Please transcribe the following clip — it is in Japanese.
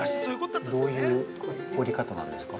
◆どういうおり方なんですか。